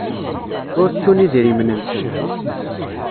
Ur ttun idrimen-nsen.